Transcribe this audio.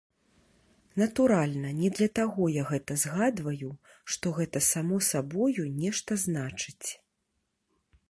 Натуральна, не для таго я гэта згадваю, што гэта само сабою нешта значыць.